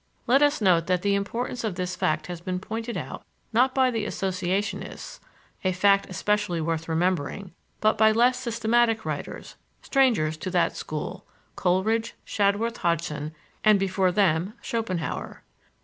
Let us note that the importance of this fact has been pointed out not by the associationists (a fact especially worth remembering) but by less systematic writers, strangers to that school, Coleridge, Shadworth Hodgson, and before them, Schopenhauer.